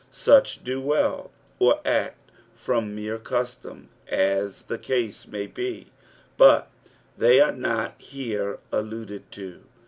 Sucn do well, or act from mere custom, as the cose may be, but they are nut here alluded to.